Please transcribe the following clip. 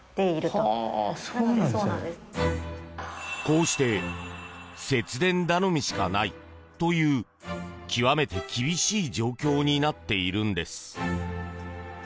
こうして節電頼みしかないという極めて厳しい状況になっているんです。